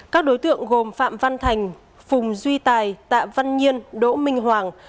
các đối tượng gồm phạm văn thành phùng duy tài tạ văn nhiên đỗ minh hoàng